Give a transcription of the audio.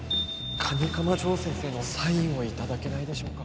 蟹釜ジョー先生のサインを頂けないでしょうか？